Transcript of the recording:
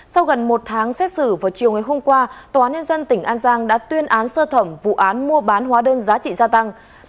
sau gần một tháng xét xử vào chiều ngày hôm qua tòa án nhân dân tỉnh an giang đã tuyên án sơ thẩm vụ án mua bán hóa đơn giá trị gia tăng